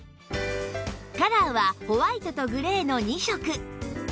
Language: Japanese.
カラーはホワイトとグレーの２色